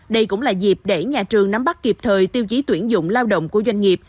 đây cũng là dịp để nhà trường nắm bắt kịp thời tiêu chí tuyển dụng lao động của doanh nghiệp